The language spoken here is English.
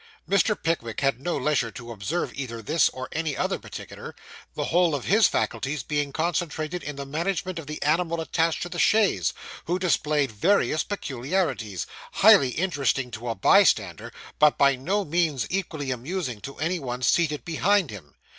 Mr. Pickwick had no leisure to observe either this or any other particular, the whole of his faculties being concentrated in the management of the animal attached to the chaise, who displayed various peculiarities, highly interesting to a bystander, but by no means equally amusing to any one seated behind him.